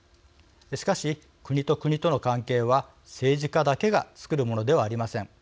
しかし、国と国との関係は政治家だけがつくるものではありません。